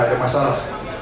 jadi tidak ada masalah